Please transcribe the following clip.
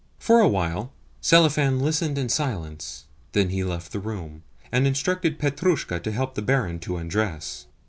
For a while Selifan listened in silence; then he left the room, and instructed Petrushka to help the barin to undress.